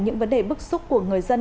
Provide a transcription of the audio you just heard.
những vấn đề bức xúc của người dân